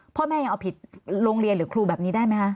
พ่อแม่ยังเอาผิดโรงเรียนหรือครูแบบนี้ได้ไหมคะ